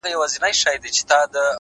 د زړه سکون له سم نیت راټوکېږي،